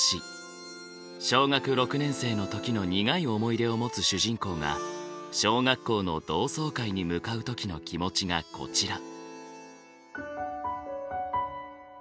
小学６年生の時の苦い思い出を持つ主人公が小学校の同窓会に向かう時の気持ちがこちら。